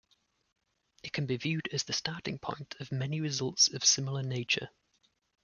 It can be viewed as the starting point of many results of similar nature.